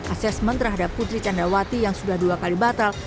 asesmen terhadap putri candrawati yang sudah dua kali batal